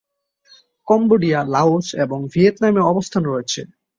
Cambodia, Laos এবং ভিয়েতনামে অবস্থান রয়েছে।